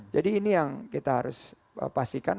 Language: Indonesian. jadi ini yang kita harus pastikan